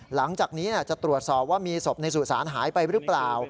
หลังจากนี้จะตรวจสอบว่ามีศพในสุสานหายไปหรือเปล่า